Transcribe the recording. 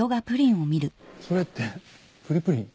それってプリプリン？